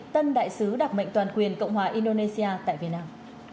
tân đại sứ đặc mệnh toàn quyền cộng hòa indonesia tại việt nam